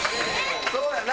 そうやな。